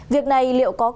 việc này liệu có còn kết quả